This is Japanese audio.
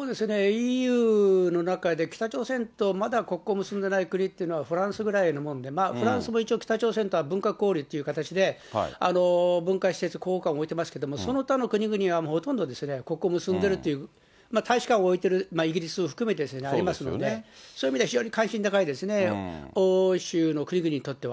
ＥＵの中で北朝鮮とまだ国交結んでない国っていうのはフランスぐらいなもんで、フランスも一応、北朝鮮とは文化交流っていう形で、文化施設、公館も置いてますけれども、その他の国々はほとんど国交を結んでるっていう、大使館を置いてるイギリスを含めてですね、ありますので、そういう意味では非常に関心高いですね、欧州の国々にとっては。